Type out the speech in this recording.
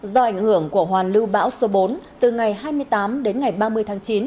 do ảnh hưởng của hoàn lưu bão số bốn từ ngày hai mươi tám đến ngày ba mươi tháng chín